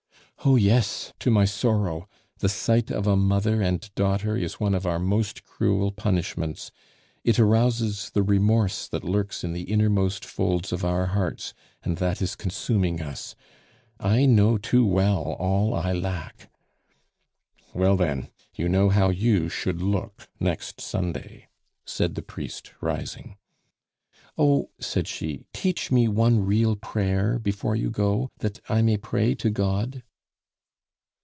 "Oh yes, to my sorrow! The sight of a mother and daughter is one of our most cruel punishments; it arouses the remorse that lurks in the innermost folds of our hearts, and that is consuming us. I know too well all I lack." "Well, then, you know how you should look next Sunday," said the priest, rising. "Oh!" said she, "teach me one real prayer before you go, that I may pray to God."